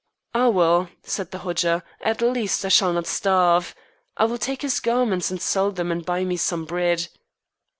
"Ah, well," said the Hodja, "at least I shall not starve. I will take his garments and sell them and buy me some bread."